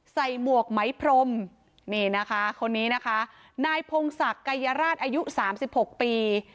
หมวกไหมพรมนี่นะคะคนนี้นะคะนายพงศักดิ์กายราชอายุ๓๖ปี